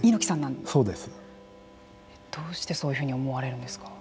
どうしてそういうふうに思われるんですか。